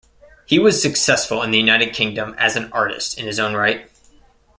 He was successful in the United Kingdom as an artist in his own right.